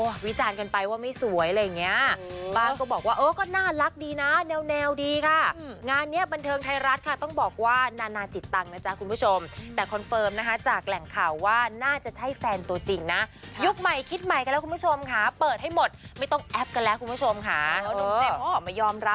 ส่วนใหญ่ก็โอ้แน่นอนนะฮะทำใจไม่ได้นะฮะ